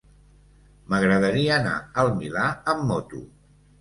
M'agradaria anar al Milà amb moto.